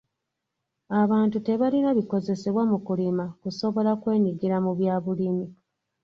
Abantu tebalina bikozesebwa mu kulima kusobola kwenyigira mu bya bulimi.